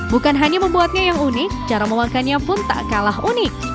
bukan hanya membuatnya yang unik cara memakannya pun tak kalah unik